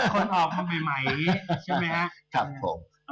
คนออกมาใหม่ใช่ไหมครับผม